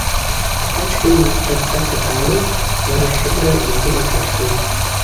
Ачкӏвын дабгата дъану лара Хьыбра йылдыруата рхӏвун.